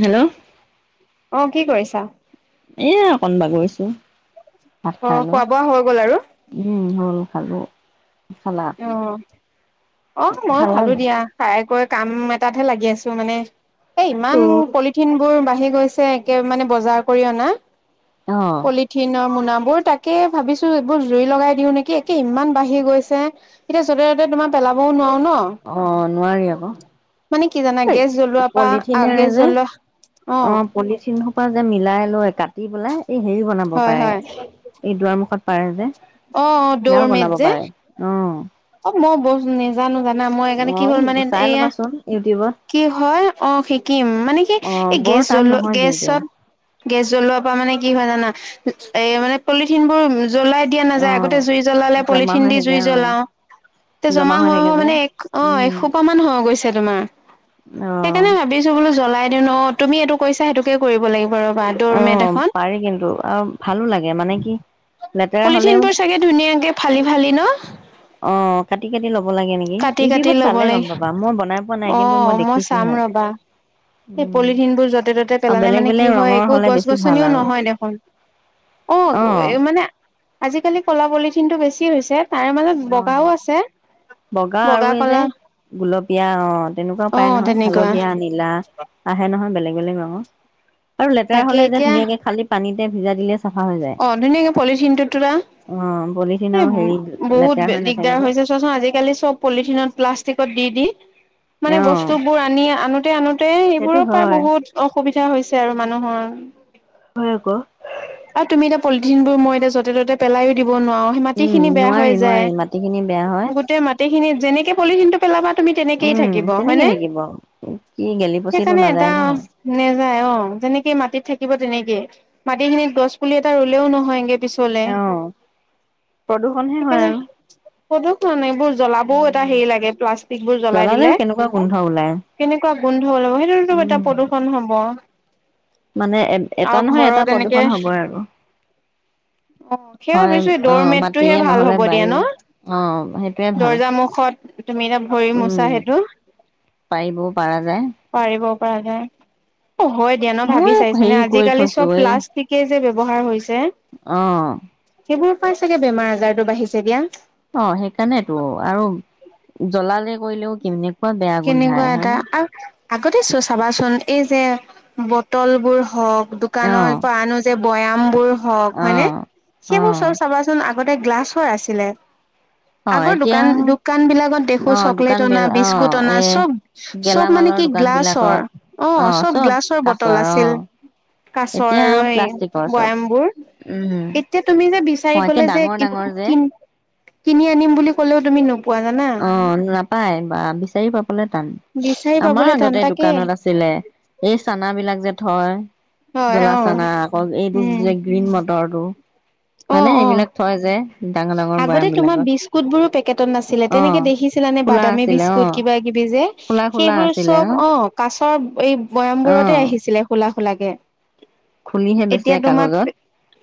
Hello অ কি কৰিছা। এ অকন বাগৰিছো ভাত অ খোৱা বোৱা হৈ গ'ল আৰু উ খালোঁ অ অ মইয়ো খালা খালো নাই? দিয়া খাই কৈ কাম এটাতহে লাগি আছো মানে এ ইমান পলিথিন বোৰ বাহি বাঢ়ি গৈছে একে মানে বজাৰ কৰি অনা অ', পলিথিনৰ মুনা। মই তাকে ভাবিছো এইবোৰ জুই লগাই দিও নেকি একে ইমান বাঢ়ি গৈছে এতিয়া যতে ততে তোমাৰ পেলাবও নোৱাৰো ন অ', নোৱাৰি আকৌ। মানে কি জানা গেছ জ্বলোৱাৰ পৰা আ পলিথিনেৰে গেছ যে জ্বলোৱা অ পলিথিন সোপা যে মিলাই লয় কাটি পেলাই এই হেৰি বনাব হয় পাৰে হয় এই দুৱাৰ মুখত পাৰে যে অ অ দৌৰ সেয়াও মেট বনাব যে পাৰে অ অ মই ব নেজানো জানে না মই সেকাৰণে কি অ', হ'ল এই মানে চাই এয়া ল'বাচোন ইউটিউবত। কি হয় অ শিকিম মানে। কি অ', এই বৰ গেছ টান জ্বলোৱা নহয় কিন্তু গেছত গেছ জ্বলোৱাৰ পৰা মানে কি হয়। জানা এ মানে পলিথিন বোৰ জ্বলাদিয়া নাযায় আগতে অ'। জুই জ্বলালে জমা পলিথিন হৈ দি থাকে জুই অ', জ্বলাও। তে জমা হৈ হৈ মানে এক অ উম, এসোপ মান হৈ গৈছে তোমাৰ অ'। সেইকাৰণে ভাবিছো বোলো জ্বলা- লাই দিওঁ ন তুমি এইটো কৰিছা সেইটোকে কৰিব লাগিব ৰ অ পাৰি কিন্তু আৰু ভালো লাগে মানে কি। লেতেৰা পলিথিন হ'লেও বোৰ চাগে ধুনীয়াকে ফালি ফালি ন অ কাটি কাটি লব। ব লাগে নেকি? কাটি কাটি ইউটিউবত ল'ব চালে গম লাগে পাবা, মই বনাই পোৱা নাই। অ কিন্তু মই চাম দেখিছোহে। ৰবা সেই উম। পলিথিনবোৰ যতে-ত'তে আৰু পেলালে বেলেগ মানে কি বেলেগ হয়? ৰঙৰ একো হ'লে বেছি ভাল গছ-গছনিও আৰু নহয় দেখোন! অ' মানে আজিকালি ক'লা পলিথিনটো বেছি হৈছে। তাৰে মাজত বগাও অ' আছে। বগা আৰু এই যে, গুলপীয়া অ' তেনেকুৱাও পায় অ', নহয়, তেনেকুৱা হালধীয়া, নীলা আহে নহয় বেলেগ লেগ আকৌ আৰু লেতেৰা তাকে হ'লে যে এতিয়া ধুনীয়াকে খালি পানী ভিজা দিলে চাফা হৈ যায়। অ' ধুনীয়াকে পলিথিন টুটোৰা, অ', পলিথিন এ আৰু হেৰি বহুত লেতেৰা হৈ নাথাকে দিগদাৰ যে হৈছে চোৱাচোন, আজিকালি চব পলিথিনত, প্লাষ্টিকত দিদি মানে অ'। বস্তুবোৰ আনি, আনো তে আনো সেইটো সেইবোৰৰ পৰা হয় বহুত অসুবিধা হৈছে আৰু মানুহৰ। এতিয়া পলিথিনবোৰ মই এতিয়া য'তে-ততে পেলাইও দিম। বোৰ নোৱাৰো, সেই উম, মাটিখিনি বেয়া হৈ নোৱাৰি যায়। নোৱাৰি মাটিখিনি বেয়া হয় গোটেই মাটিখিনি যেনেকে পলিথিনটো পেলাবাত তুমি তেনেকেই উম থাকিব হয় তেনেকে নে? থাকিব কি গেলি পচিটো সেইকাৰণে নাযায় এটা ন। নেযায়, অ' যেনেকে মাটিত থাকিব থাকিব তেনেকেই, মাটিখিনিত গছ পুলি এটা ৰুলেও নহয়গে পিছলে, অ' প্ৰদূষণহে হয় সেইকাৰণে আৰু। প্ৰদূষণ এইবোৰ জ্বলাবও এটা উম হেৰি লাগে। প্লাষ্টিকবোৰ জ্বলাই জ্বলালেও দিলে, কেনেকুৱা গোন্ধ ওলাই। কেনেকুৱা গোন্ধ ওলাব, সেইটোতো এটা উম প্ৰদূষণ হ'ব। মানে, এ এটা আৰু নহয় এটা ঘৰত এনেকে প্ৰদূষণ হ'ব। অ', সেই হয় ভাবিছো অ দৰমেটটোহে মাটিয়ে ভাল নহ'লে হ'ব দিয়া ন? বায়ুৱে অ সেইটোৱে ভাল। দৰ্জা মুখত তুমি এতিয়া ভৰি উম মোছা সেইটো! পাৰিব পাৰা যায় পাৰিব। [unintelligible] অ' হয় দিয়া ন? ভাবি ময়ো চাইছানেনে হেৰি কৰি আজিকালি থৈছো চব এই প্লাষ্টিক যে ব্যৱহাৰ হৈছে যে, অ সেইবোৰ পাই চাগে বেমাৰ-আজাৰটো বাঢ়িছে এতিয়া। অ' সেইকাৰণেতো, আৰু জ্বলালে কৰিলেও কেনেকু কেনেকুৱা এটা আৰু আগতে চ-চাবাচোন এই যে বটলবোৰ হওক অ। দোকানৰ পৰা আনো যে বয়ামবোৰ হওক অ হয়নে, অ সেইবোৰ চব চাবাচোন আ আগতে গ্লাছৰ আছিলে। অ আগৰ এতিয়া দোকান আৰু দোকান বিলাক দেখো অ চকলেট দোকান অনা বিল বিচ অ ঘুটনা এ চব চব মানে গেলামালৰ কি দোকান গ্লাছৰ, বিলাকত অ চব গ্লাছৰ বটল আছিল। কাছৰ এতিয়া আৰু এই প্লাষ্টিকৰ চব বয়ামবোৰ, উম এতিয়া তুমি যে বি তাই অ একে কলে যে, ডাঙৰ ডাঙৰ যে কিন কিনি আনিম বুলি ক'লেও তুমি নোপোৱা। জানা অ। নাপায় বা বিচাৰি পাব। মানে টান, বিচাৰি আমাৰ পাবলৈ টান আগতে তাকে দোকানত আছিলে, এই চানা বিলাক যে হয়। হয় জলা অ চানা আকৌ এইটো উম যে গ্ৰীণ মটৰটো অ হয়নে অ এইবিলাক থয় যে। ডাঙৰ ডাঙৰ আগতে বৈয়াম তোমাৰ বিলাকত বিস্কুট বোৰো পেকেটত নাছি আছিলে অ তেনেকে দেখিছিলা নে খোলা বাদামী আছিলে অ বিস্কুট কিবা কিবি যে। খোলা খোলা সেইবোৰ আছিলে চব ন অ কা পাছত এই অ বয়ামবোৰতে আহিছিলে খোলা লাগে। খুলিহে বেচে এতিয়া তোমাৰ, কাগজত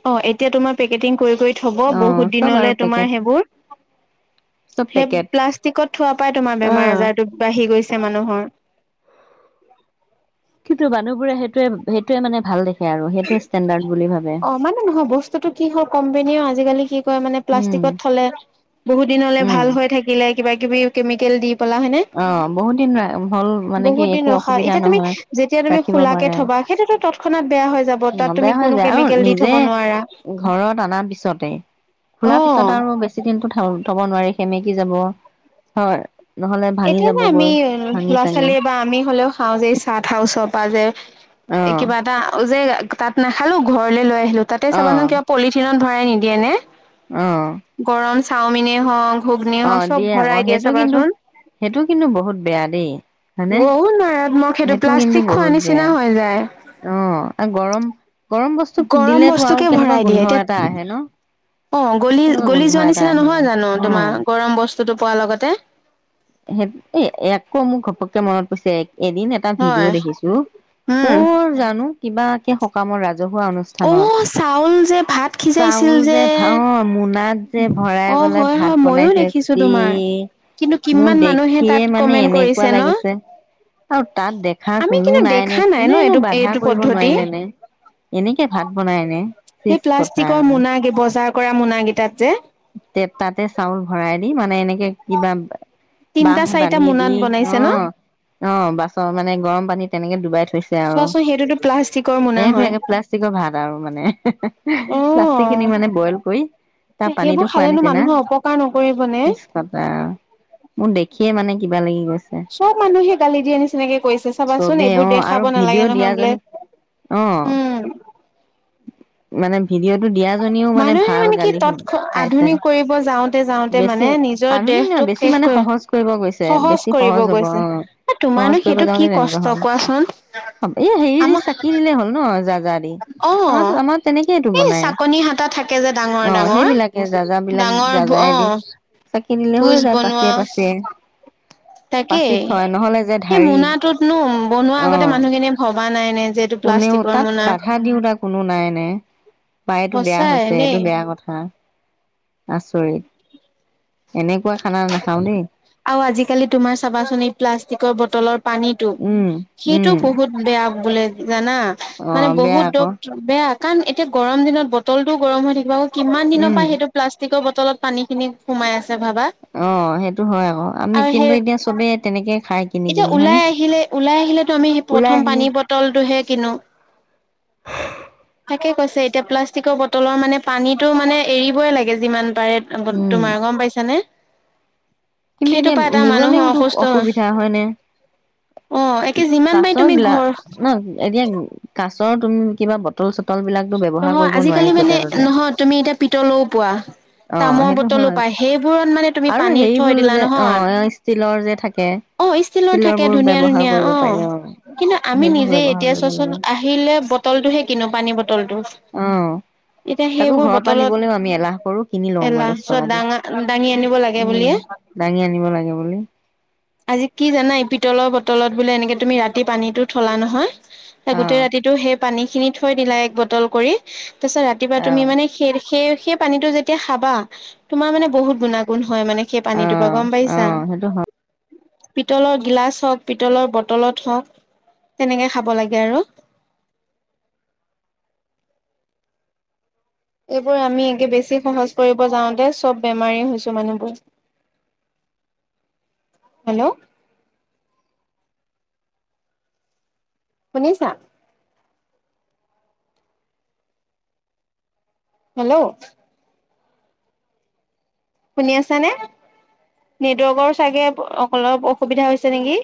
অ এতিয়া তোমাৰ পেকেটিং কৰি কৰি থব বহুত অ', চব নহলে আৰু তোমাৰ পেকেট, সেইবোৰ, চব সেই পেকেট। প্লাষ্টিকত থোৱাৰ পৰা তোমাৰ বেমাৰ অ', আজাৰ বাঢ়ি গৈছে মানুহৰ। কিন্তু মানুহবোৰে সেইটোয়ে সেইটোৱে মানে ভাল দেখে। হে আৰু সেইটো ষ্টেণ্ডাৰ্ড বুলি ভাবে। অ মানে নহয় বস্তুটো কি হল কোম্পেনীয়েও আজিকালি কি কৰে মানে উম, প্লাষ্টিকত থলে বহুত দিনলে উম, ভাল হৈ থাকিলে কিবাকিবি কেমিকেল দি পেলা হয়নে অ বহুত দিন হ'ল। মানে কি বহুত দিন একো ৰখা অসুবিধা এতিয়া তুমি নহয়, যেতিয়া তুমি ৰাখিব খোলাকে পাৰে, থবা সেইটোতো তৎক্ষণাত বেয়া হৈ যাব তাত তুমি বেয়া হৈ কোনো যায় আৰু কেমিকেল দি নিজে থব নোৱাৰা। ঘৰত আনা পিছতে খোলা পিছত অ'। আৰু বেছি দিনো থ থব নোৱাৰি। সেমেকি যাব হয়। নহ'লে ভাঙি এতিয়া যে আমি যাবগৈ, ভাঙি ল'ৰা চাঙি ছোৱালীয়ে বা আমি হ'লেও খাওঁ যে চাহ তাহ ওচৰ পা যে অ', কিবা এটা যে তাত নেখালো ঘৰলে লৈ আহি লো তাতে চাবা চোন কিবা পলিঠিনত ভৰা ৰাই নিদিয়ে নে অ', অ'। গৰম চাওমিনে হওঁক ঘুগ্নীয়ে অ হওঁক চব আকৌ ভৰাই দিয়ে সেইটো কিন্তু চাবাচোন সেইটো কিন্তু বহুত বেয়া দেই হয়নে বহুত মাৰাত্মক সেইটো কিন্তু প্লাষ্টিক খোৱা বহুত নিচিনা বেয়া হৈ যায়। আহ আৰু গৰম বস্তু গৰম দিলেতো আৰু বস্তুকে কেনেকুৱা ভৰাই দিয়ে গোন্ধ এটা আহে ন এতিয়া অ গলি কেনেকুৱা গলি গোন্ধ যোৱা এটা নিচিনা আহে নহয় জানো অ তোমাৰ গৰম বস্তু বস্তুটো পোৱাৰ লগতে সেই এ আকৌ মোৰ ঘপককে মনত পৰিছে এদিন এটা হয় ভিডিঅ' দেখিছোঁ উম কৰ জানো কিবা সকামৰ ৰাজ ৰাজহুৱা অ অনুষ্ঠানত চাউল যে ভাত সিজাইছিল চাউল যে ভা অ মোনাত যে ভৰাই অ গ'লে হয় ভাত হয় ময়ো বনাইছে দেখিছো চি তোমাৰ কিন্তু মোৰ কিমান মানুহে দেখিয়ে তাত মানে কমেণ্ট এনেকুৱা কৰিছে ন লাগিছে আৰু তাত দেখা আমি কোনো কিন্তু নাই নে দেখা ন কোনেনো এইটো বাধা এইটো কৰিব পদ্ধতি নোৱাৰিলে নে এনেকে ভাত বনাই নে সেই চিহ কটা প্লাষ্টিকৰ মোনা বজাৰ কৰা মোনা কেইটাত যে তে তাতে চাউল ভৰাই দি মানে এনে কিবা বাহ তিনটা চাৰিটা বান্ধি দি মোনাত অ বনাইছে ন অ বাছৰ মানে গৰম পানীত তেনেকে ডুবাইত আৱ চোৱাচোন সেইটোতো প্লাষ্টিকৰ মোনা সেইটো হয় একে প্লাষ্টিকৰ ভাত আৰু মানে এহে অ হে প্লাষ্টিক খিনি মানে বইল কৰি তাৰ পানীটো সেইবোৰ খোৱা খালেনো নিচিনা মানুহে অপকাৰ নকৰিব নে চিচ কটা মোৰ দেখিয়ে মানে কিবা লাগি গৈ চব মানুহে গালি দিয়া নিচিনাকে কৈছে চাবাচোন চবেই এইবোৰ অ আৰু দেখাব নেলাগে ভিডিঅ' নহয় বোলে। দিয়াজনী অ হোম মানে ভিডিঅ'টো দিয়াজনীও মানে মানুহে ভাল কি গালি তৎ শুনি পাইছে আধুনিক কৰিব যাওঁতে যাওঁতে বেছি মানে নিজৰ আধুনিক নহয় দেহটোক বেছি শেষ মানে কৰি সহজ কৰিব গৈছে সহজ বেছি কৰিব হ'ব অ গৈছে সহজ তোমাৰনো কৰিব সেইটো কি যাওঁতে তেনেকুৱা কষ্ট হ'ল কোৱাচোন এই হেৰি দি আমা চাকি দিলে হ'ল ন যা যা দি অ আমাৰ আমাৰ তেনেকেইটো এই বনাই চাকনি হাটা থাকে যে ডাঙৰ ডাঙৰ যাজা বিলাক ডাঙৰ যাজাই অ দি চাকি দিলে হৈ ভোজ যায় পাচে বনোৱা পাচে তাকেই পাচিত থয় নহ'লে যে সেই ঢাৰি মোনাটোতনো বনোৱা অ আগতে মানুহখিনিয়ে ভব থোৱা নাই নে। যে এইটো কোনেও প্লাষ্টিকৰ তাত মোনা বাধা দিওঁত কোনো নাই এনে। পায়টো বেয়া সঁচাই হৈছে এইটো দেই বেয়া কথা। আচৰিত। এনেকুৱা খানা নাখাও দেই আৰু আজিকালি তোমাৰ চাবাচনি প্লাষ্টিকৰ বট। টলত। পানীতটো উম, সেইটো উম, বহুত বেয়া। বোলে। জানা মানে অ', বেয়া বহুত আকৌ য'ত বেয়া। কাৰণ এতিয়া গৰম দিনত বটল ও গৰম হৈ থাকিব। কিমান দিনৰ উম, পৰা সেইটো প্লাষ্টিকৰ বট। তলত পানীখিনি সোমাই আছে। ভাবা অ', সেইটো হয় আকৌ আমি আৰু কিন্তু সেই এতিয়া চবে তেনেকে খাই কিনি এতিয়া কিনি হয়নে? ওলাই আহিলে ওলাই আহিলেতো আমি সেই ওলাই প্ৰথম আহিলে পানী বটলটোহে কিনো। তাকে কৈছে এতিয়া প্লাষ্টিকৰ বটলৰ মানে পানীতটো মানে এৰিবই লাগে যিমান। পাৰে উম, তোমাৰ গম পাইছ। কিন্তু এতিয়া মানুহৰ নিবলৈওতো অসুস্থ অসুবিধা হয় নে, অ একে যিমান পাৰি কাছৰ তুমি গিলা ঘৰ ন এতিয়া কাছ। ৰ তুম কিবা বটল চ। নহয় আজিকালি মানে নহয় তুমি এতিয়া পিতলও পোৱা, অ', তামৰ সেইটো বটলো হয় পায় সেইবোৰত মানে তুমি আৰু পানী থৈ। হেৰিবোৰ দিলা যে নহয়, অ', ষ্টীলৰ যে থাকে অ ষ্টিলৰ ষ্টীলৰ থাকে বোৰ ধুনীয়া ব্যৱহাৰ ধুনীয়া কৰিব অ পাৰি কিন্তু আমি সেইবোৰ নিজে ব্যৱহাৰ এতিয়া কৰিব চোৱাচোন লাগে আহিলে বটলটোহে কিনো পানী। বটলটো অ', এতিয়া তাকো সেইবোৰ ঘৰৰ পৰা বটলত নিবলৈও আমি এলাহ কৰো কিনি লওঁগৈ এলাহ দহ চব টকা দি। দাঙা দাঙি আনিব লাগে উম বুলিয়ে দাঙি আনিব লাগে বুলি আজি কি জানাই পিতলৰ বট। তলত বোলে এনেকে তুমি ৰাতি পানীতো থলা নহয়। অ গোটেই ৰাতিটো সেই। পানী খিনি থৈ দিলা এক। বটল কৰি। তাৰপিছত ৰাতিপুৱা অ তুমি মানে স সেই। সেই পানীতটো যেতিয়া খাবা, তোমাৰ মানে বহুত গুণাগুণ হয় মানে সেই অ পানীটোপা গম অ পাইছা। সেইটো হয় পিতলৰ গিলাচ হওঁক, পিতলৰ বটলত হওঁক তেনেকে খাব লাগে আৰু। এইবোৰ আমি একে বেছি সহজ কৰিব যাওঁতে সব বেমাৰী হৈছো মানুহবোৰ, হেল্ল'। শুনিছা? হেল্ল'। শুনি আছ নে? নেটৱৰ্কৰ চাগে অলপ অসুবিধা হৈছে নেকি?